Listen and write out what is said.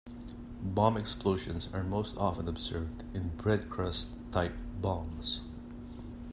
Bomb explosions are most often observed in "bread-crust" type bombs.